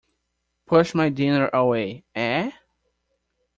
Push my dinner away, eh?